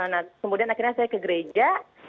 nah kemudian akhirnya saya ke gereja